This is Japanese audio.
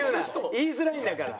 言いづらいんだから。